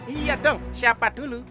iya dong siapa dulu